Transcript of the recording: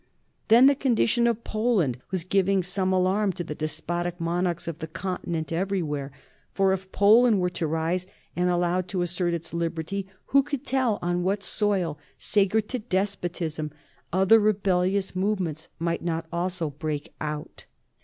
Then the condition of Poland was giving some alarm to the despotic monarchs of the Continent everywhere; for, if Poland were to rise and were allowed to assert its liberty, who could tell on what soil, sacred to despotism, other rebellious movements might not also break out.